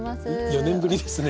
４年ぶりですね。